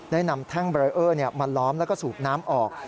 ได้นำแท่งเบรเออร์มาล้อมแล้วก็สูบน้ำออก